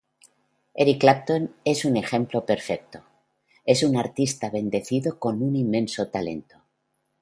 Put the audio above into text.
Eric Clapton es un ejemplo perfecto: es un artista bendecido con un inmenso talento.